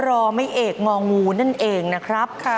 รอไม่เอกงองูนั่นเองนะครับ